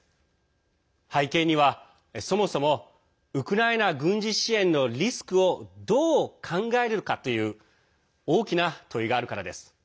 背景には、そもそもウクライナ軍事支援のリスクをどう考えるかという大きな問いがあるからです。